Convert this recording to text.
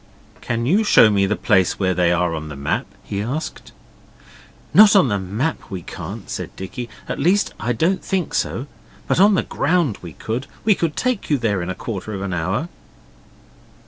'Can you show me the place where they are on the map?' he asked. 'Not on the map, we can't,' said Dicky 'at least, I don't think so, but on the ground we could. We could take you there in a quarter of an hour.